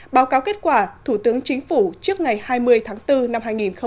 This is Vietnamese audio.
báo cáo kết quả thủ tướng chính phủ trước ngày hai mươi tháng bốn năm hai nghìn hai mươi